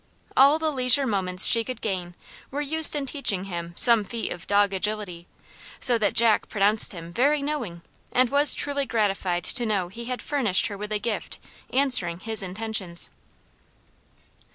All the leisure moments she could gain were used in teaching him some feat of dog agility, so that Jack pronounced him very knowing, and was truly gratified to know he had furnished her with a gift answering his intentions.